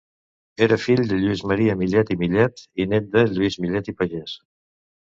Era fill de Lluís Maria Millet i Millet i nét de Lluís Millet i Pagès.